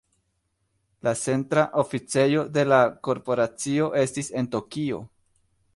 La centra oficejo de la korporacio estis en Tokio.